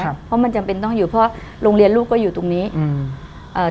เพราะมันจำเป็นต้องอยู่เพราะโรงเรียนลูกก็อยู่ตรงนี้อืมเอ่อ